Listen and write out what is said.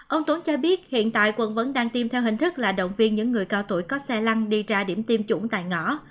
ông tuấn cho biết hiện tại quận vẫn đang tiêm theo hình thức là động viên những người cao tuổi có xe lăng đi ra điểm tiêm chủng tại ngõ